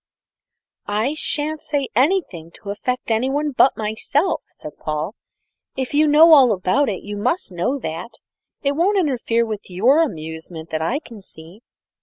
"I shan't say anything to affect anyone but myself," said Paul; "if you know all about it, you must know that it won't interfere with your amusement that I can see."